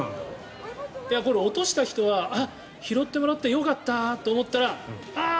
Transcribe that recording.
これ、落とした人は拾ってもらったよかったって思ったらあー！